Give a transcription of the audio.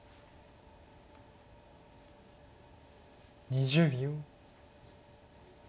２０秒。